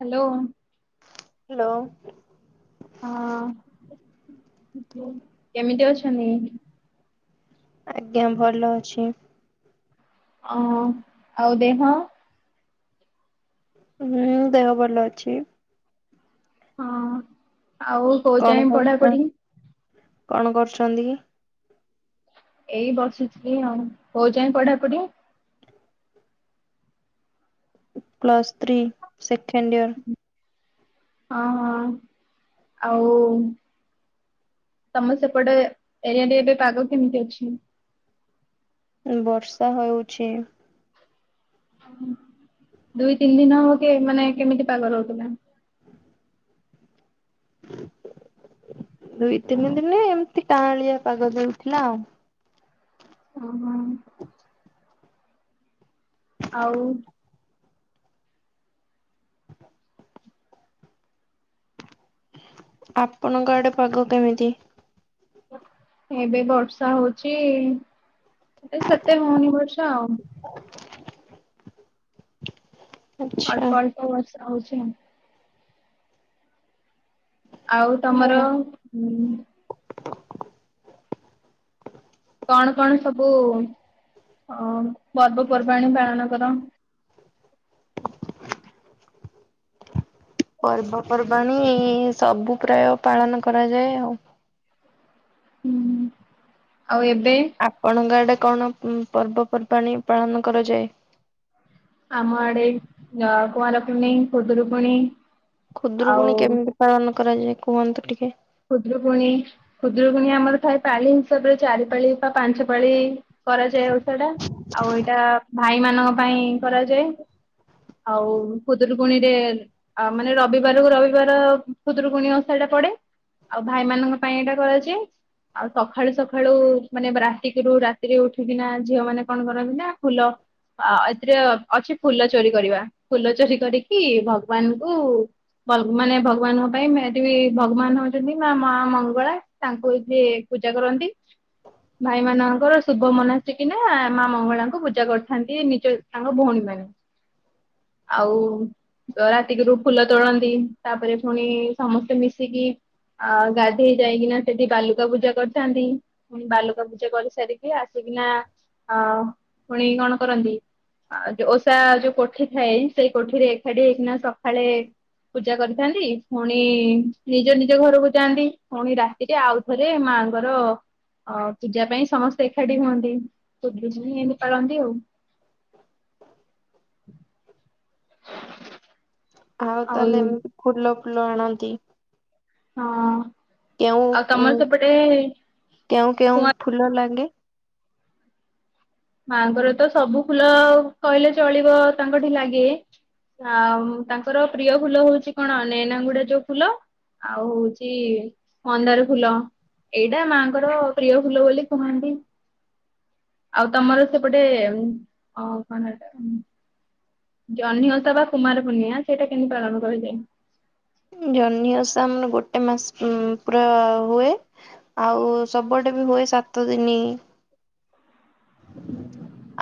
Hello. Hello. ହଁ କେମିତି ଅଛନ୍ତି? ଆଜ୍ଞା ଭଲ ଅଛି। ଅଁ ଆଉ ଦେହ? ହୁଁ ଦେହ ଭଲ ଅଛି। ହଁ ଆଉ କୋଉ କଣ ଯାଏଁ କର ପଢାପଢି? କଣ କରୁଛନ୍ତି କି? ଏଇ ବସିଥିଲି ଆଉ। କୋଉ ଯାଏଁ ପଢାପଢି? Plus three second year. ହଁ ହଁ ଆଉ ତମ ସେପଟେ ଏରିଆରେ ଏବେ ପାଗ କେମିତି ଅଛି? ବର୍ଷା ହଉଛି। ଦୁଇ ତିନି ଦିନ ହଉ କି ମାନେ କେମିତି ପାଗ ଦଉଥିଲା। ଦୁଇ ତିନି ଦିନ ଏମିତି କାଁଳିଆ ପାଗ ଦଉଥିଲା ଆଉ। ହଁ। ଆଉ। ଆପଣଙ୍କ ଆଡେ ପାଗ କେମିତି? ଏବେ ବର୍ଷା ହଉଚି ଏ ସେତେ ହଉନି ବର୍ଷା ଆଉ। ଆଚ୍ଛା ଅଳ୍ପ ଅଳ୍ପ ବର୍ଷା ହଉଛି ଆଉ। ଆଉ ତମର? ଓ କଣ କଣ ସବୁ? ହଁ ପର୍ବପର୍ବାଣୀ ପାଳନ କର। ପର୍ବପର୍ବାଣୀ ସବୁ ପ୍ରାୟ ପାଳନ କରାଯାଏ ଆଉ। ହୁଁ। ଆଉ ଏବେ ଆପଣଙ୍କ ଆଡେ କଣ ଉଁ ପର୍ବପର୍ବାଣୀ ପାଳନ କରାଯାଏ? ଆମ ଆଡେ ୟା କୁଆଁର ପନେଇଁ, ଖୁଦୁରୁକୁଣି। ଖୁଦୁରୁକୁଣୀ କେମିତି ପାଳନ କରାଯାଏ କୁହନ୍ତୁ ଟିକେ? ଖୁଦୁରୁକୁଣୀ ଖୁଦୁରୁକୁଣୀ ଆମର ଥାଏ ପାଳି ହିସାବରେ ଚାରି ପାଳି ବା ପାଞ୍ଚ ପାଳି। କରାଯାଏ ଓଷା ଟା ଆଉ ଏଇଟା ଭାଇ ମାନଙ୍କ ପାଇଁ କରାଯାଏ। ଆଉ ଖୁଦୁରୁ କୁଣୀ ରେ ଆ ମାନେ ରବିବାରକୁ ରବିବାର ଖୁଦୁରୁକୁଣୀ ଓଷା ଟା ପଡେ। ଆଉ ଭାଇମାନଙ୍କ ପାଇଁ ଏଇଟା କରାଯାଏ। ଆଉ ସଖାଳୁ ସଖାଳୁ ମାନେ ରାତିକିରୁ ରାତିରେ ଉଠିକିନା ଝିଅ ମାନେ କଣ କରନ୍ତି ନା ଫୁଲ ଆ ଏଥିରେ ଅଛି ଫୁଲ ଚୋରି କରିବା ଫୁଲ ଚୋରି କରିକି ଭଗବାନକୁ ବ ମାନେ ଭଗବାନଙ୍କ ପାଇଁମି ଏଠି ବି ଭଗବାନ ଅ ଛନ୍ତି ମା ମା ମଙ୍ଗଳା ତାଙ୍କୁ ଏଇଠେ ପୂଜା କରନ୍ତି। ଭାଇ ମାନଙ୍କର ଶୁଭ ମନାସିକିନା ମା ମଙ୍ଗଳାଙ୍କୁ ପୂଜା କରିଥାନ୍ତି ନିଜ ତାଙ୍କ ଭଉଣୀ ମାନେ। ଆଉ ରାତିକିରୁୁ ଫୁଲ ତୋଳନ୍ତି ତାପରେ ଫୁଣି ସମସ୍ତେ ମିଶିକି ଆଉ ଗାଧେଇ ଯାଇଁକିନା ସେଠି ବାଲୁକା ପୂଜା କରିଥାନ୍ତି। ପୁଣି ବାଲୁକା ପୂଜା କରିସାରିକି ଆସ୍ ସେକିନା ଆ ପୁଣି କଣ କରନ୍ତି ଆଉ ଯୋଉ ଓଷା ଯୋଉ କୋଠି ଥାଏ ସେଇ କୋଠିରେ ଏକାଠି ହେଇକିନା ସକାଳେ ପୂଜା କରିଥାନ୍ତି ପୁଣି ନିଜ ନି ନିଜ ଘରକୁ ଯାଆନ୍ତି ପୁଣି ରାତିରେ ଆଉଥରେ ମାଆଙ୍କର ଆଉ ପୂଜା ପାଇଁ ସମସ୍ତେ ଏକାଠି ହୁଅନ୍ତି ଖୁଦୁରୁକୁଣୀ ଏମିତି ପାଳନ୍ତି ଆଉ। ଆଉ ତାହେଲେ ଏମତି ଫୁଲ ଫୁଲ ଆଣନ୍ତି। ହଁ କେଉଁ ଆଉ ଉଁ ତମର ସେପଟେ କେଉଁ କେଉଁ କୁଆଁ ଫୁଲ ଲାଗେ? ମାଙ୍କର ତ ସବୁ ଫୁଲ କହିଲେ ଚଳିବ ତାଙ୍କ ଠି ଲାଗେ ଆଉ ତାଙ୍କର ପ୍ରିୟ ଫୁଲ ହଉଛି କଣ ନେନାଙ୍ଗୁଡା ଯୋଉ ଫୁଲ ଆଉ ହଉଛି ମନ୍ଦାର ଫୁଲ ଏଇଟା ମାଙ୍କର ପ୍ରିୟ ଫୁଲ ବୋଲି କୁହନ୍ତି ଆଉ ତମର ସେପଟେ ଅ କଣ ଏଟା ଜହ୍ନି ଓଷାବା କୁମାର ପୁର୍ଣିମା ସେଇଟା କେମିତି ପାଳନ କରାଯାଏ? ଜହ୍ନି ଓଷା ଆମର ଗୋଟେ ମାସ ଉଁ ପୁର ହୁଏ। ଆଉ ସବୁଆଡେ ବି ହୁଏ ସାତ ଦିନ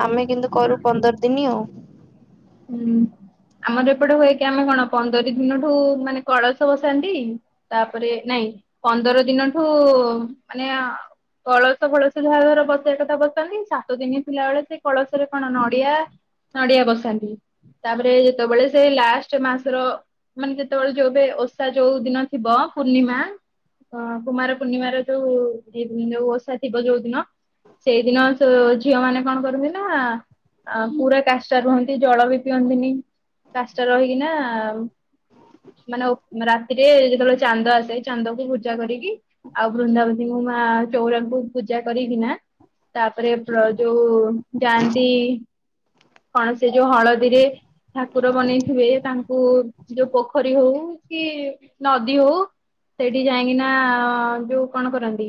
ଆମେ କିନ୍ତୁ କରୁ ପନ୍ଦର ଦିନ ଆଉ। ହୁଁ। ଆମର ଏପଟେ ହୁଏ କି ଆମେ କଣ ପନ୍ଦର ଦିନଠୁ ମାନେ କଳସ ବସାନ୍ତି ତାପରେ ନାଇଁ ପନ୍ଦର ଦିନଠୁ ମାନେ ଆ କଳସ ଫଳସ ଯାହା ଘର ବସିବା କଥା ବସିନ୍ତି ସାତ ଦିନି ଥିଲା ବେଳେ ସେ କଳସରେ କଣ ନଡିଆ ନଡିଆ ବସାନ୍ତି ତାପରେ ଯେତେବେଳେ ସେ ଲାଷ୍ଟ ମାସର ମାନେ ଯେତେବେଳେ ଯୋଉବେ ଓଷା ଯୋଉ ଦିନ ଥିବ ପୂର୍ଣ୍ଣିମା ଅ କୁମାର ପୂର୍ଣ୍ଣିମାର ଯୋଉ ଇଏ ମଁ ଯୋଉ ଓଷା ଥିବ ଯୋଉ ଦିନ ସେଇଦିନ ସୋ ଝିଅ ମାନେ କଣ କରନ୍ତି ନା ପୁରା କାଷ୍ଟା ରୁହନ୍ତି ଜଳ ବି ପିଅନ୍ତିନି କାଷ୍ଟା ରହିକି ନା ମାନେ ଉପ ରାତିରେ ଯେତେବେଳେ ଚାନ୍ଦ ଆସେ ଚାନ୍ଦକୁ ପୂଜା କରିକି ଆଉ ବୃନ୍ଦାବନୀଙ୍କୁ ମା ଚଉଁରାଙ୍କୁ ପୂଜା କରିକି ନା ତାପରେ ପ୍ର ଯୋଉ ଯାଆନ୍ତି କଣ ସେ ଯୋଉ ହଳଦୀରେ ଠାକୁର ବନେଇଥିବେ ତାଙ୍କୁ ଯୋଉ ପୋଖରୀ ହଉ କି ନଦୀ ହଉ ସେଠି ଯାଇକି ନା ଯୋଉ କଣ କରନ୍ତି?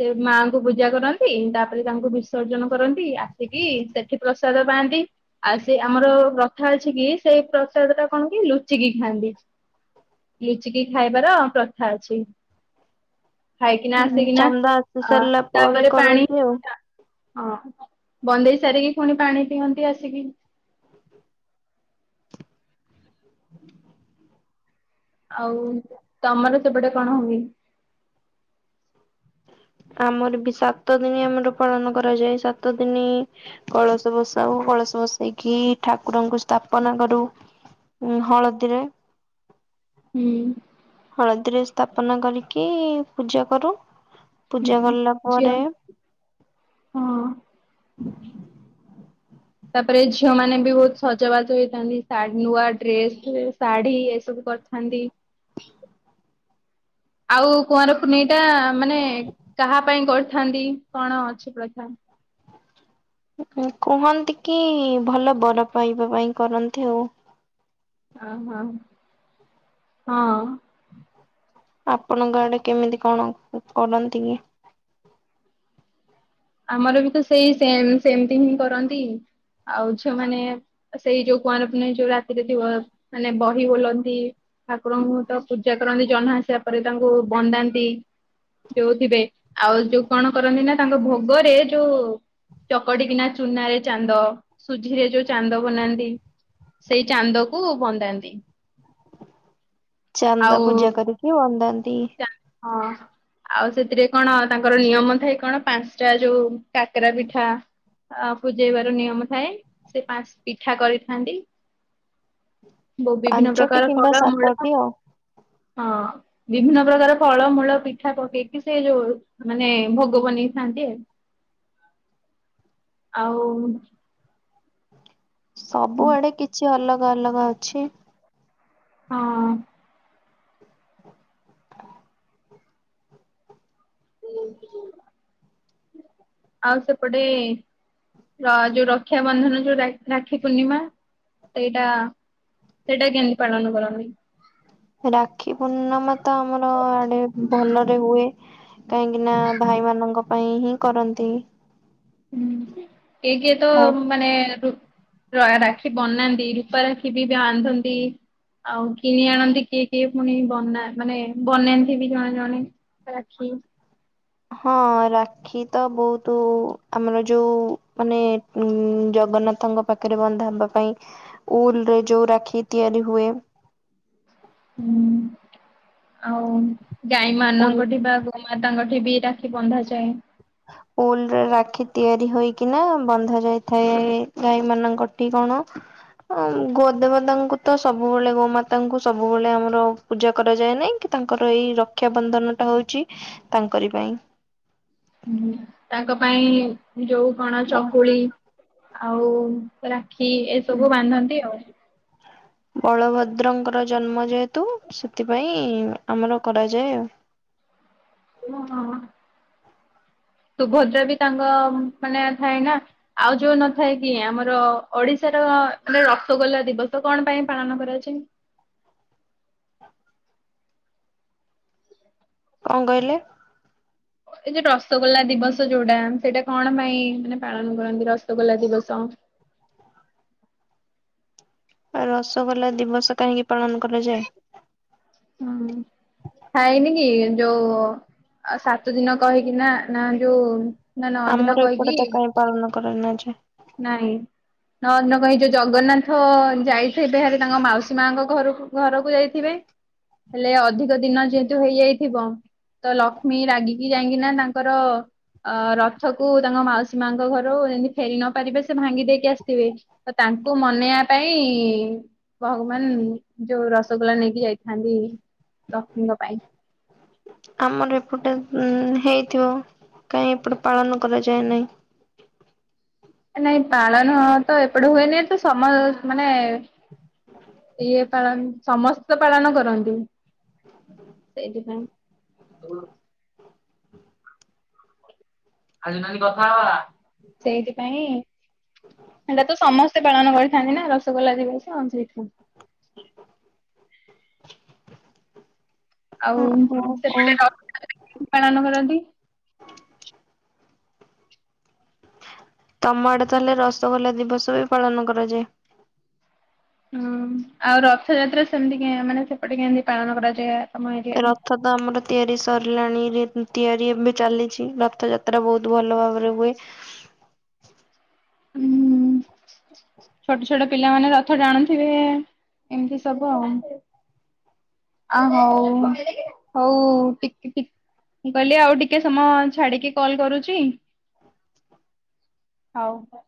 ସେ ମାଙ୍କୁ ପୂଜା କରନ୍ତି ତାପରେ ତାଙ୍କୁ ବିସର୍ଜନ କରନ୍ତି ଆସିକି ସେଠି ପ୍ରସାଦ ପାଆନ୍ତି। ଆଉ ସେ ଆମର ପ୍ରଥା ଅଛି କି ସେଇ ପ୍ରସାଦ ଟା କଣ କି ଲୁଚିକି ଖାଆନ୍ତି ଲୁଚିକି ଖାଇବାର ପ୍ରଥା ଅଛି। ଖାଇକିନା ଆସିକିନା ଚାନ୍ଦା ଆସି ସାରିଲା ପରେ ତାପରେ ପାଣି କରନ୍ତି ଆଉ। ହଁ ବନ୍ଦେଇ ସାରିକି ପୁଣି ପାଣି ପିଅନ୍ତି ଆସିକି [inaudible] ଆଉ ତମର ସେପଟେ କଣ ହୁଏ? ଆମର ବି ସାତ ଦିନ ଆମର ପାଳନ କରାଯାଏ ସାତ ଦିନ କଳସ ବସାଉ କଳସ ବସେଇକି ଠାକୁରଙ୍କୁ ସ୍ଥାପନା କରୁ ହଁ ହଳଦିରେ ହୁଁ। ହଳଦୀରେ ସ୍ଥାପନା କରିକି ପୂଜା କରୁ ହୁଁ ପୂଜା କଲା ଝିଅ ପରେ ହଁ [inaudible] ତାପରେ ଝିଅ ମାନେ ବି ବହୁତ ସଜବାଜ ହେଇଥାନ୍ତି ଶାଢ଼ୀ ନୂଆ ଡ୍ରେସ୍ ଶାଢୀ ଏସବୁ କରି ଥାନ୍ତି। ଆଉ କୁଆଁର ପୁନେଇଁଟା ମାନେ କାହା ପାଇଁ କରିଥାନ୍ତି କଣ ଅଛି ପ୍ରଥା? [inaudible] କୁହନ୍ତି କି ଭଲ ବର ପାଇବା ପାଇଁ କରନ୍ତି ଆଉ। ହଁ ହଁ ହଁ। ଆପଣଙ୍କ ଆଡେ କେମିତି କଣ କରନ୍ତି କି? ଆମର ବି ତ ସେଇ ସେମ୍ ସେମତି ହିଁ କରନ୍ତି। ଆଉ ଝିଅମାନେ ସେଇ ଯୋଉ କୁଆଁରପନେଇଁ ଯୋଉ ରାତିରେ ଥିବ ମାନେ ବହି ବୋଲନ୍ତି। ଠାକୁରଙ୍କୁ ତ ପୂଜା କରନ୍ତି ଜହ୍ନ ଆସିବା ପରେ ତାଙ୍କୁ ବନ୍ଦାନ୍ତି। ଯୋଉଥିିବେ ଆଉ ଯୋଉ କଣ କରନ୍ତି ନା ତାଙ୍କ ଭୋଗରେ ଯୋଉ ଚକଟିକିନା ଚୁନ ରେ ଚାନ୍ଦ ସୁଜିରେ ଯୋଉ ଚାନ୍ଦ ବନାନ୍ତି। ସେଇ ଚାନ୍ଦକୁ ବନ୍ଦାନ୍ତି। ଚାନ୍ଦ ଆଉ ପୂଜା କରିକି ବନ୍ଦାନ୍ତି। ହଁ ଆଉ ସେ ସେଥିରେ କଣ ତାଙ୍କର ନିୟମ ଥାଏ କଣ ପାଞ୍ଚଟା ଯୋଉ କାକରା ପିଠା ଅ ପୂଜେଇବାର ନିୟମ ଥାଏ ସେ ପାଞ୍ଚ ପିଠା କରିଥାନ୍ତି। [inaudible] ବହୁ ବିଭିନ୍ନ ପାଞ୍ଚଟି ପ୍ରକାର କିମ୍ବା ଫଳମୁଳ ସାତଟି ଆଉ। ହଁ। ବିଭିନ୍ନ ପ୍ରକାର ଫଳମୂଳ ପିଠା ପକେଇକି ସେ ଯୋଉ ମାନେ ଭୋଗ ବନେଇଥାନ୍ତି। ଆଉ ଆଉ ସବୁଆଡେ କିଛି ଅଲଗା ଅଲଗା ଅଛି। ହଁ। ଆଉ ସେପଟେ ଯୋଉ ରକ୍ଷାବନ୍ଧନ ଯୋଉ ରାକ୍ଷୀ ପୂର୍ଣିମା ସେଇଟା ସେଇଟା କେମିତି ପାଳନ କରନ୍ତିି? ରାକ୍ଷୀ ପୂର୍ଣ୍ଣମା ତ ଆମର ଆଡେ ଭଲରେ ହୁଏ। କାହିଁକି ନା ଭାଇ ମାନଙ୍କ ପାଇଁ ହିଁ କରନ୍ତି। କିଏ କିଏ ତ ମନେ ର ରାକ୍ଷୀ ବନାନ୍ତି ରୂପା ରାକ୍ଷୀ ବି ବାନ୍ଧନ୍ତି। ଆଉ କିଣି ଆଣନ୍ତି କିଏ କିଏ ପୁଣି ବନା ମାନେ ବନେଇକି ବି ଜଣେ ଜଣେ ରାକ୍ଷୀ। ହଁ ରାକ୍ଷୀ ତ ବହୁତ ଆମର ଯୋଉ ମାନେ ଉ ଜଗନ୍ନାଥଙ୍କ ପାଖରେ ବନ୍ଧା ହେବା ପାଇଁ ଉଲରେ ଯୋଉ ରାକ୍ଷୀ ତିଆରି ହୁଏ। [inaudible] ହୁଁ ଆଉ ଉଲ୍ ଗାଈମାନଙ୍କଠି ବା ଗୋମାତାଙ୍କ ବି ରାକ୍ଷୀ ବନ୍ଧା ଯାଏ। ଉଲ୍ ରାକ୍ଷୀ ତିଆରି ହେଇକିନା ବନ୍ଧଆ ଯାଇଥାଏ ଗାଈ ମାନଙ୍କଠି କଣ। ଗୋ ଦେବତାଙ୍କୁ ତ ସବୁବେଳେ ଗୋମାତାଙ୍କୁ ସବୁବେଳେ ଆମର ପୂଜା କରାଯାଏ ନାଇଁକି ତାଙ୍କର ଏଇ ରକ୍ଷାାବନ୍ଧନ ଟା ହଉଛି ତାଙ୍କରି ପାଇଁ। ହୁଁ ତାଙ୍କ ପାଇଁ ଯୋଉ କଣ ଚକୁଳି ଆଉ। ରାକ୍ଷୀ ଏସବୁ ବାନ୍ଧନ୍ତି ଆଉ। ବଳଭଦ୍ରଙ୍କର ଜନ୍ମ ଯେହେତୁ ସେଥିପାଇଁ ଆମର କରାଯାଏ ଆଉ। ତୁମ ହିଁ ହିଁ। ସୁୁଭଦ୍ରା ବି ତାଙ୍କ ମାନେ ଥାଏ ନା ଆଉ ଯୋଉ ନଥାଏ କି ଆମର ଓଡିଶା ର ରସଗୋଲଲା ଦିବସ କଣ ପାଇଁ ପାଳନ କରାଯାଏ? କଣ କହିଲେ? ଏଇ ଯୋଉ ରସଗୋଲା ଦିବସ ଯୋଉଟା ସେଇଟା କଣ ପାଇଁ ମାନେ ପାଳନ କରନ୍ତି ରସଗୋଲା ଦିବସ? ରସଗୋଲା ଦିବସ କାହିଁକି ପାଳନ କରାଯାଏ। ହଁ ଖାଇନି କି? ଯୋଉ ସାତ ଦିନ କହିକି ନା ନା ଯୋଉ ନା ନଅ ଦିନ ଆମର ଏପଟେ କହିକି ତ କାଇଁ ପାଳନ କରା ନଯାଏ । ନାଇଁ। ନ ଦିନ କହି ଯୋଉଁ ଜଗନ୍ନାଥ ଯାଇଥିବେ ଭାରି ତାଙ୍କ ମାଉସୀ ମାଙ୍କ ଘରୁ ଘରକୁ ଯାଇଥିବେ। ହେଲେ ଅଧିକ ଦିନ ଯେହେତୁ ହେଇଯାଇଥିବ ତ ଲକ୍ଷ୍ମୀ ରାଗିକି ଯାଇକିନା ତାଙ୍କର ଅ ରଥକୁ ତାଙ୍କ ମାଉସୀ ମାଙ୍କ ଘରୁ ଯେମିତି ଫେରି ନ ପାରିବେ ସେ ଭାଙ୍ଗି ଦେଇକି ଆସିଥିବେ, ତ ତାଙ୍କୁ ମନେଇବା ପାଇଁ ଭଗବାନ ଯୋଉଁ ରସଗୋଲା ନେଇକି ଯାଇଥାନ୍ତି ଲକ୍ଷ୍ମୀଙ୍କ ପାଇଁ। ଆମର ଏପଟେ ଉ ହେଇଥିବ। କାଇଁ ଏପଟେ ପାଳନ କରାଯାଏ ନାହିଁ। ନାଇଁ ପାଳନ ତ ଏପଟେ ହୁଏନି, ତ ସମ ମାନେ ଇଏ ପାଳନ୍ତି, ସମସ୍ତେ ତ ପାଳନ କରନ୍ତି। ସେଇଥିପାଇଁ ଆଜି ନାନୀ କଥା ହବା। ସେଇଥିପାଇଁ ହେଟା ତ ସମସ୍ତେ ପାଳନ କରିଥାନ୍ତି ନା ରସଗୋଲା ଦିବସ, ସେଇଥିପାଇଁ [inaudible] ଆଉ ଓହୋ ସେପଟେ ରଥ [inaudible] ପାଳନ କରନ୍ତି? ତମ ଆଡେ ତାହେଲେ ରସଗୋଲା ଦିବସ ବି ପାଳନ କରାଯାଏ। ହୁଁ, ଆଉ ରଥଯାତ୍ରା ସେମିତି କେ ମାନେ ସେପଟେ କେମିତି ପାଳନ କରାଯାଏ? ତମ ଏରିଆରେ? ରଥ ତ ଆମର ତିଆରି ସରିଲାଣି ରିପ୍ ତିଆରି ଏବେ ଚାଲିଛି। ରଥ ଯାତ୍ରା ବହୁତ ଭଲ ଭାବରେ ହୁଏ। ହୁଁ। ଛୋଟ ଛୋଟ ପିଲାମାନେ ରଥ ଟାଣୁଥିବେ ଏ ଏ ଏମିତି ସବୁ ଆଉ। ଆ ହଉ, ହଉ ଟିକ ଟିକ୍ ମୁଁ କହିଲି ଆଉ ଟିକେ ସମୟ ଛାଡିକି କଲ୍ କରୁଛି। ହଉ ହ।